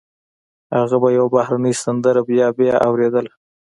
هغه به يوه بهرنۍ سندره بيا بيا اورېده.